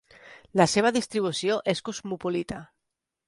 La seva distribució és cosmopolita.